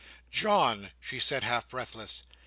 "John!" she said, half breathless.